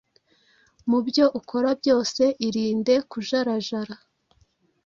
Mu byo ukora byose irinde kujarajara